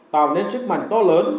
tạo nên sức mạnh to lớn